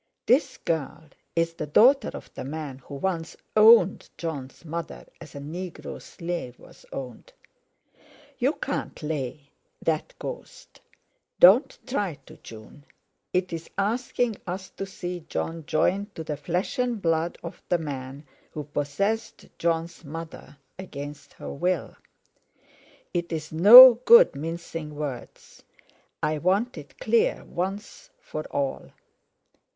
This girl is the daughter of the man who once owned Jon's mother as a negro slave was owned. You can't lay that ghost; don't try to, June! It's asking us to see Jon joined to the flesh and blood of the man who possessed Jon's mother against her will. It's no good mincing words; I want it clear once for all.